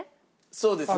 そうですね。